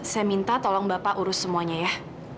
saya minta tolong bapak urus semuanya ya